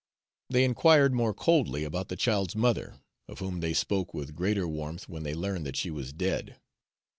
They inquired more coldly about the child's mother, of whom they spoke with greater warmth when they learned that she was dead.